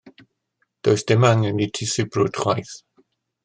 Does dim angen i ti sibrwd chwaith.